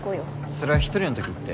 それは１人の時行って。